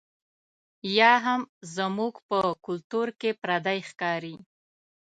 یا هم زموږ په کلتور کې پردۍ ښکاري.